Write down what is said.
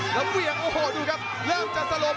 กว่างด้วยแข่งซ้าย